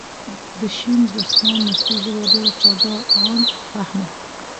د شین دسمال نثري ژبه ډېره خوږه ،عام فهمه.